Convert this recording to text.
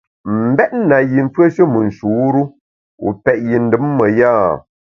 M’bèt na yi mfùeshe me nshur-u, wu pèt yi ndùm me ya ?